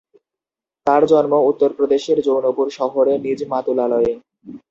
তাঁর জন্ম উত্তরপ্রদেশের জৌনপুর শহরে নিজ মাতুলালয়ে।